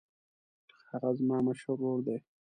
هغه زما مشر ورور دی.